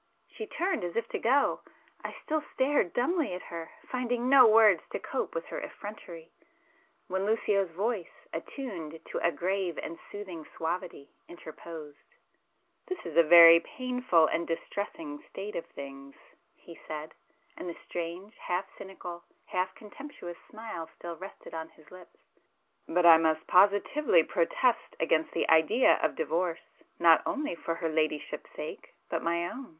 She turned, as if to go;—I still stared dumbly at her, finding no words to cope with her effrontery,—when Lucio's voice, attuned to a grave and soothing suavity, interposed,— "This is a very painful and distressing state of things,"—he said, and the strange half cynical, half contemptuous smile still rested on his lips—"but I must positively protest against the idea of divorce, not only for her ladyship's sake, but my own.